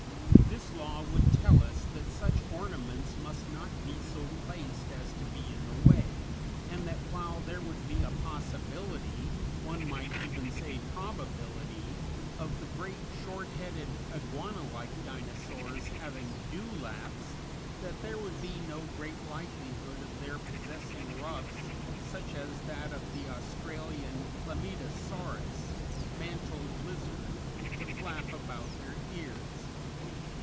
This law would tell us that such ornaments must not be so placed as to be in the way, and that while there would be a possibility one might even say probability of the great, short headed, iguana like Dinosaurs having dewlaps, that there would be no great likelihood of their possessing ruffs such as that of the Australian Chlamydosaurus (mantled lizard) to flap about their ears.